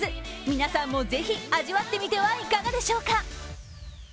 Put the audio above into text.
皆さんもぜひ、味わってみてはいかがでしょうか？